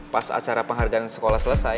pas acara penghargaan sekolah selesai